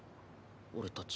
俺たち。